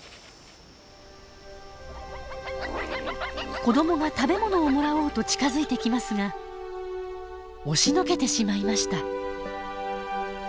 子どもが食べ物をもらおうと近づいてきますが押しのけてしまいました。